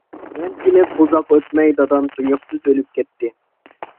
مەن كېلىپ ئۇزاق ئۆتمەي دادام تۇيۇقسىز ئۆلۈپ كەتتى.